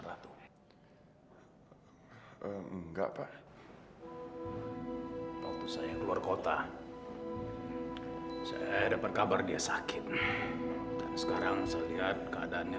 sampai jumpa di video selanjutnya